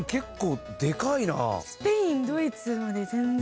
スペインドイツまで全然。